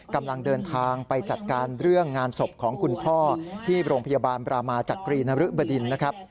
กำลังเดินทางไปจัดการเรื่องงานศพของคุณพ่อที่โรงพยาบาลบรามาจากกรีนรึบดินนะครับ